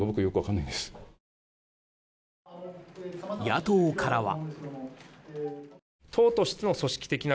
野党からは。